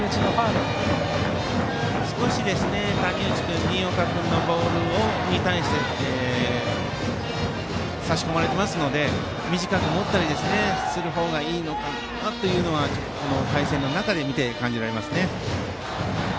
少し谷内君新岡君のボールに対して差し込まれていますので短く持ったりする方がいいのかなとこの対戦の中で見て感じられますね。